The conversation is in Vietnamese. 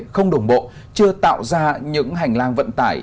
không đồng bộ chưa tạo ra những hành lang vận tải